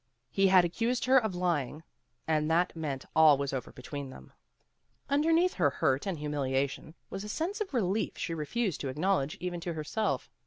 He had accused her of lying, and that meant all was over between them. Underneath her hurt and humiliation was a sense of relief she refused to acknowledge even to herself.